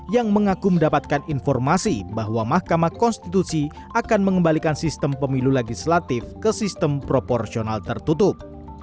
yang mengaku mendapatkan informasi bahwa mahkamah konstitusi akan mengembalikan sistem pemilu legislatif ke sistem proporsional tertutup